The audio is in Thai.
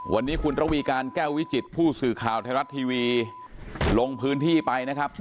วันนี้คุณระวีการแก้ววิจิตผู้สื่อข่าวไทยรัฐทีวีลงพื้นที่ไปนะครับ